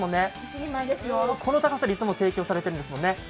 この高さでいつも提供されてるんですよね。